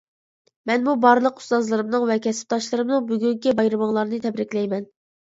مەنمۇ بارلىق ئۇستازلىرىمنىڭ ۋە كەسىپداشلىرىمنىڭ بۈگۈنكى بايرىمىڭلارنى تەبرىكلەيمەن!